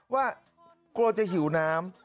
ว่ากลัวจะหิวน้ำ